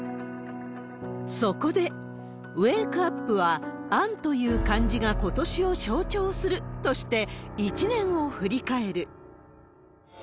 そこで、ウェークアップは、安という漢字がことしを象徴するとして、一年を振り返る。